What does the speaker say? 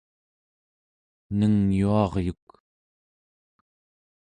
nengyuaryuk